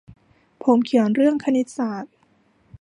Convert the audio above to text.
ผมเขียนเรื่องคณิตศาสตร์